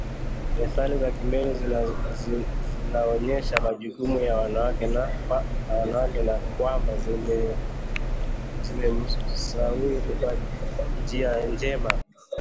Methali za kimeru zinaonyesha majukumu ya mwanamume na kwamba zinamsawiri kwa njia njema